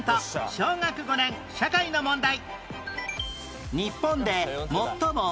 小学５年社会の問題